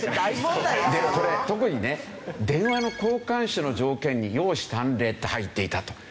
でもこれ特にね電話の交換手の条件に「容姿端麗」って入っていたと。